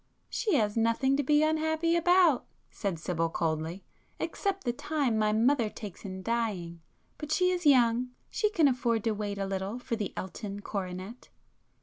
"She has nothing to be unhappy about—" said Sibyl coldly—"except the time my mother takes in dying. But she is young; she can afford to wait a little for the Elton coronet."